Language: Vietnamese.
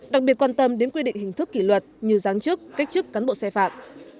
đặc biệt quan tâm đến quy định hình thức kỷ luật như giáng chức cách chức cán bộ xe phạm